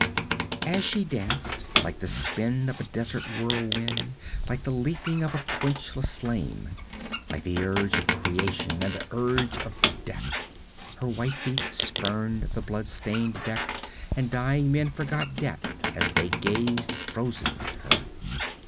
And she danced, like the spin of a desert whirlwind, like the leaping of a quenchless flame, like the urge of creation and the urge of death. Her white feet spurned the blood stained deck and dying men forgot death as they gazed frozen at her.